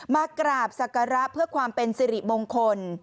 มากราบศักระเพื่อความเป็นสิริมงคล